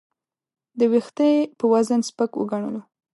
د وېښتې په وزن سپک وګڼلو.